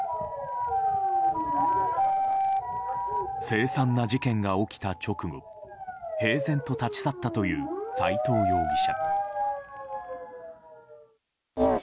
凄惨な事件が起きた直後平然と立ち去ったという斎藤容疑者。